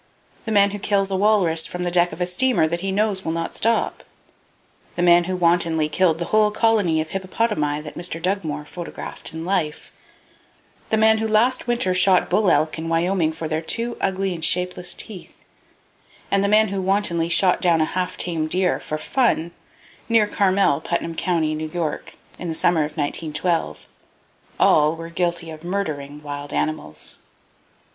The man who kills a walrus from the deck of a steamer that he knows will not stop; the man who wantonly killed the whole colony of hippopotami that Mr. Dugmore photographed in life; the man who last winter shot bull elk in Wyoming for their two ugly and shapeless teeth, and the man who wantonly shot down a half tame deer "for fun" near Carmel, Putnam County, New York, in the summer of 1912,—all were guilty of murdering wild animals.